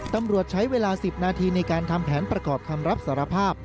ตำรวจใช้เวลา๑๐นาทีในการทำแผนประกอบคำรับสารภาพ